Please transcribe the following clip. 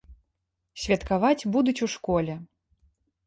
Святкаваць будуць у школе.